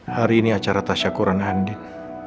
hari ini acara tasya quran handi